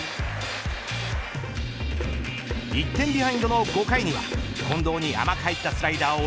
１点ビハインドの５回には近藤に甘く入ったスライダーを